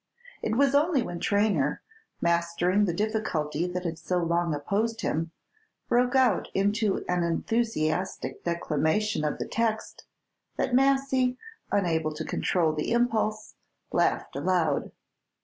It was only when Traynor, mastering the difficulty that had so long opposed him, broke out into an enthusiastic declamation of the text that Massy, unable to control the impulse, laughed aloud.